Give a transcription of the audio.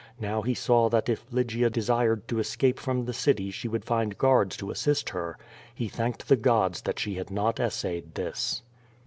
Now he saw that if Lygia desired to escape from the city she would find guards to assist her. He thanked the gods that she had not essayed this.